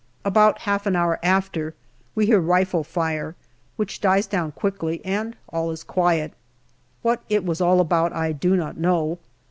About half an hour after, we hear rifle fire, which dies down quickly, and all is quiet. What it was all about I do not know.